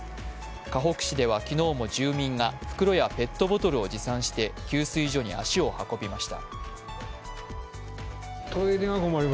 かほく市では昨日も住民が袋やペットボトルを持参して給水所に足を運びました。